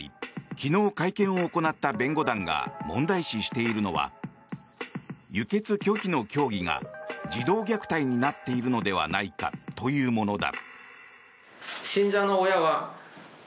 昨日会見を行った弁護団が問題視しているのは輸血拒否の教義が児童虐待になっているのではないかというものだ。